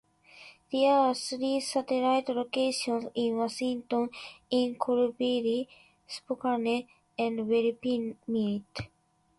There are three satellite locations in Washington in Colville, Spokane, and Wellpinit.